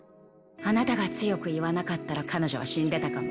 あなたが強く言わなかったら彼女は死んでたかも。